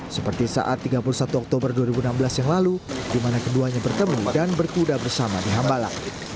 seperti saat tiga puluh satu oktober dua ribu enam belas yang lalu di mana keduanya bertemu dan berkuda bersama di hambala